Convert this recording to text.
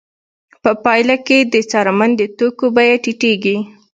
په پایله کې د څرمن د توکو بیه ټیټېږي